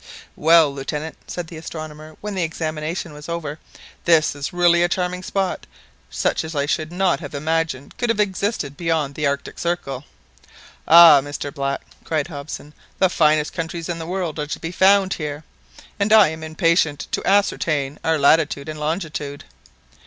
"Well, Lieutenant," said the astronomer when the examination was over, "this is really a charming spot, such as I should not have imagined could have existed beyond the Arctic Circle." "Ah, Mr Black!" cried Hobson, "the finest countries in the world are to be found here, and I am impatient to ascertain our latitude and longitude."